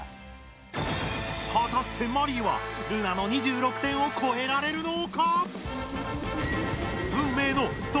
はたしてマリイはルナの２６点をこえられるのか！？